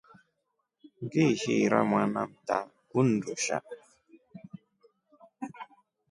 Ngiishi ira mwana mta undushaa.